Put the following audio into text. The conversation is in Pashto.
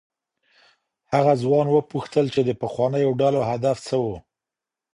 هغه ځوان وپوښتل چي د پخوانيو ډلو هدف څه و.